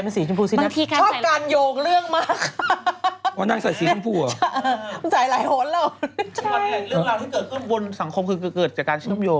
เรื่องราวที่เกิดขึ้นบนสังคมคือเกิดจากการเชื่อมโยง